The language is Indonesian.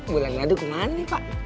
bulan madu kemana pak